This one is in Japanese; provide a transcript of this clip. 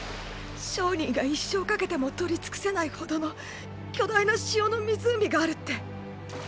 商人が一生かけても取り尽くせないほどの巨大な塩の湖があるって。